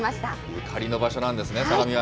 ゆかりの場所なんですね、相模湾。